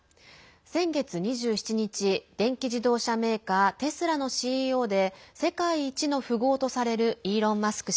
先月２７日、電気自動車メーカーテスラのＣＥＯで世界一の富豪とされるイーロン・マスク